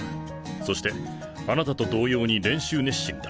そしてあなたと同様に練習熱心だ。